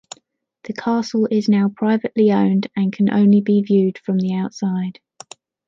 The castle is now privately owned and can only be viewed from the outside.